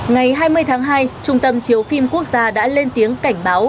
ngày hai mươi tháng hai trung tâm chiếu phim quốc gia đã lên tiếng cảnh báo